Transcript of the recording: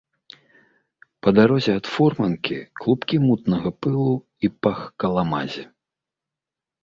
Па дарозе ад фурманкі клубкі мутнага пылу і пах каламазі.